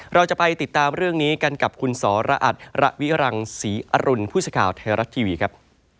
เราจะไปติดตามเรื่องนี้กันกับคุณสรอัตระวิรังศรีอรุณผู้สื่อข่าวไทยรัฐทีวีครับ